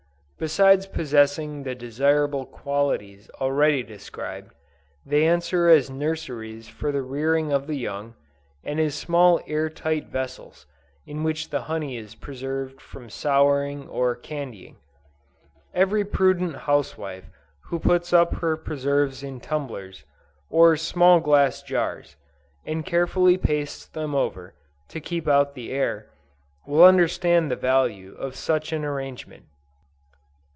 Besides possessing the desirable qualities already described, they answer as nurseries for the rearing of the young, and as small air tight vessels in which the honey is preserved from souring or candying. Every prudent housewife who puts up her preserves in tumblers, or small glass jars, and carefully pastes them over, to keep out the air, will understand the value of such an arrangement.